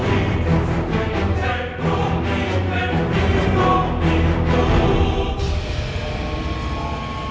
ini inginkan kejadianmu